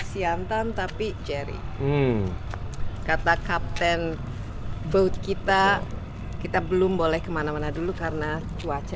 kami tidak bisa kemana mana dulu karena cuaca